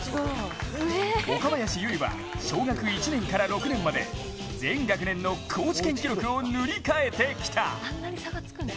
岡林結衣は小学１年から６年まで全学年の高知県記録を塗り替えてきた。